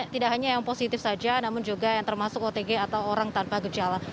tidak hanya yang positif saja namun juga yang termasuk otg atau orang tanpa gejala